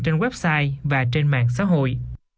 trên website và trên mạng xã hội